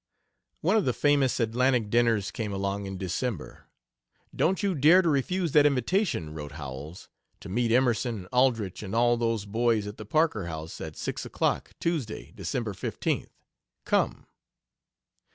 One of the famous Atlantic dinners came along in December. "Don't you dare to refuse that invitation," wrote Howells, "to meet Emerson, Aldrich, and all those boys at the Parker House, at six o'clock, Tuesday, December 15th. Come!"